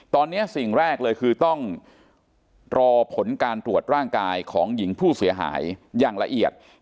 ตอนนี้สิ่งแรกเลยคือต้องรอผลการตรวจร่างกายของหญิงผู้เสียหายอย่างละเอียด